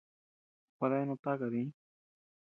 Gua deanud taka diñ.